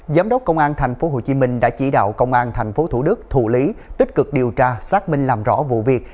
giám đốc công an tp hcm đã chỉ đạo công an tp thủ đức thủ lý tích cực điều tra xác minh làm rõ vụ việc